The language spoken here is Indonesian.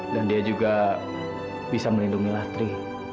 dan dia juga bisa melindungi nasri